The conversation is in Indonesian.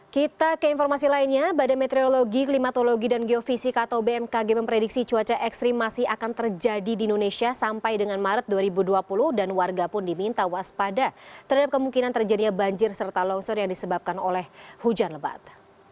kita ke informasi lainnya badan meteorologi klimatologi dan geofisika atau bmkg memprediksi cuaca ekstrim masih akan terjadi di indonesia sampai dengan maret dua ribu dua puluh dan warga pun diminta waspada terhadap kemungkinan terjadinya banjir serta longsor yang disebabkan oleh hujan lebat